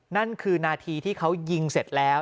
นั่นคือนาทีที่เขายิงเสร็จแล้ว